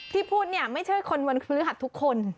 พูดเนี่ยไม่ใช่คนวันพฤหัสทุกคน